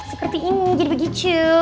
seperti ini jadi begitu